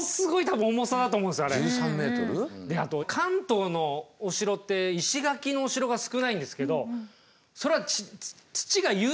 あと関東のお城って石垣のお城が少ないんですけどそれは土が優秀ってことですよね。